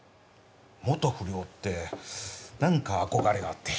元不良ってなんか憧れがあって。